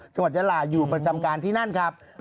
สวัสดิ์จันทราอยู่ประจำการณ์ที่นั่นครับ